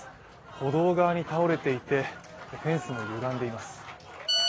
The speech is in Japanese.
歩道側に倒れていてフェンスもゆがんでいます。